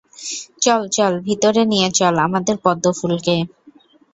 চল, চল, ভিতরে নিয়ে চল আমাদের পদ্ম ফুলকে।